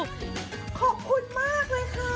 ขอบคุณมากเลยค่ะ